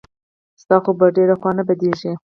ستا خو به ډېره خوا نه بدېږي.